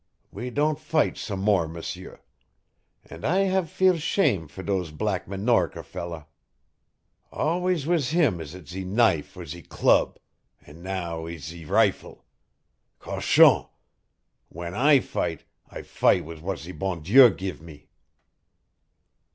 We don' fight some more, M'sieur. And I have feel ashame' for dose Black Minorca feller. Always wiz him eet is ze knife or ze club and now eet is ze rifle. COCHON! W'en I fight, I fight wiz what le bon Dieu give me."